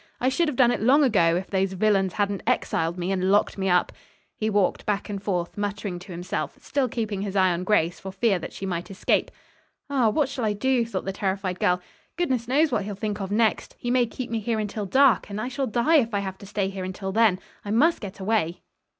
I should have done it long ago, if those villains hadn't exiled me, and locked me up." He walked back and forth, muttering to himself still keeping his eye on Grace for fear that she might escape. "Oh, what shall I do?" thought the terrified girl. "Goodness knows what he'll think of next. He may keep me here until dark, and I shall die if I have to stay here until then, I must get away."